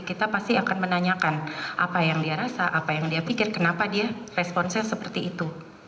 kita pasti akan menanyakan apa yang dia rasa apa yang dia pikir kenapa dia responsnya seperti itu